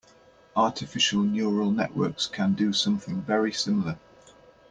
Artificial neural networks can do something very similar.